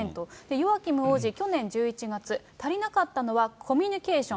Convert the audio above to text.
ヨアキム王子、去年１１月、足りなかったのはコミュニケーション。